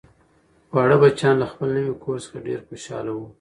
واړه بچیان له خپل نوي کور څخه ډیر خوشحاله وو